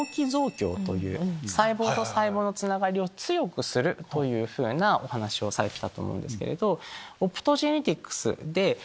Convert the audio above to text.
細胞と細胞のつながりを強くするというふうなお話をされてたと思うんですけど。